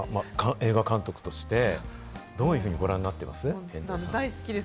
映画監督として、どういうふうにご覧になっています？大好きです。